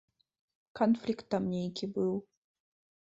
Канфлікт там нейкі быў.